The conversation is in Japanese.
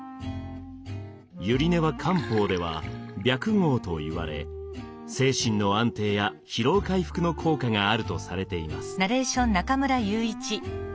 百合根は漢方ではビャクゴウといわれ精神の安定や疲労回復の効果があるとされています。